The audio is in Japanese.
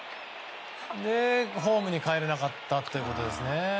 で、ホームにかえれなかったということですね。